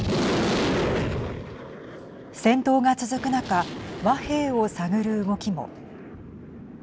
戦闘が続く中和平を探る動きも。